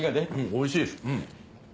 おいしいです。